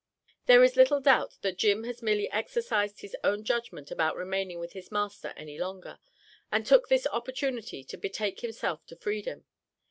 There is little doubt, that "Jim" has merely exercised his own judgment about remaining with his master any longer, and took this opportunity to betake himself to freedom.